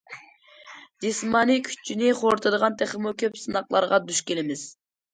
جىسمانىي كۈچنى خورىتىدىغان تېخىمۇ كۆپ سىناقلارغا دۇچ كېلىمىز.